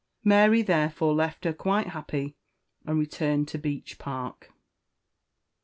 Mary therefore left her quite happy, and returned to Beech Park.